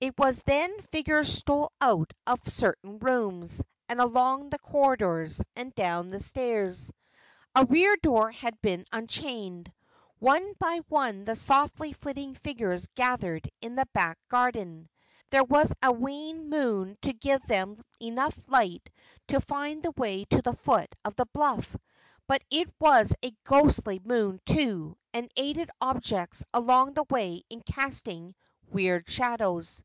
It was then figures stole out of certain rooms, and along the corridors, and down the stairs. A rear door had been unchained. One by one the softly flitting figures gathered in the back garden. There was a wan moon to give them light enough to find the way to the foot of the bluff. But it was a ghostly moon, too, and aided objects along the way in casting weird shadows.